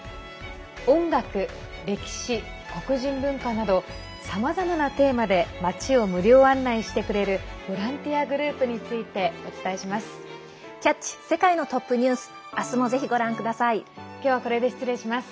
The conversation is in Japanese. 音楽、歴史、黒人文化などさまざまなテーマで街を無料案内してくれるボランティアグループについてお伝えします。